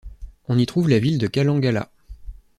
On y trouve la ville de Kalangala.